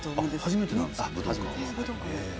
初めてなんですか？